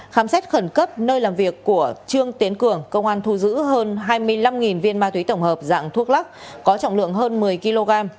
khám xét khẩn cấp nơi làm việc của trương tiến cường công an thu giữ hơn hai mươi năm viên ma túy tổng hợp dạng thuốc lắc có trọng lượng hơn một mươi kg